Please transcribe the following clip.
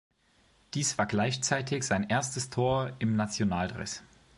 Dies war gleichzeitig sein erstes Tor im Nationaldress.